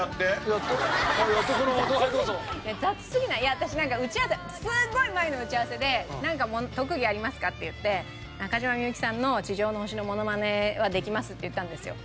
私なんかすごい前の打ち合わせで「なんか特技ありますか？」っていって「中島みゆきさんの『地上の星』のモノマネはできます」って言ったんですよ。